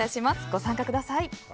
ご参加ください。